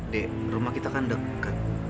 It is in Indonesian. dek rumah kita kan dekat